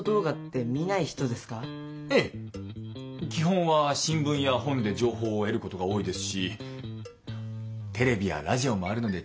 ええ基本は新聞や本で情報を得ることが多いですしテレビやラジオもあるので十分です。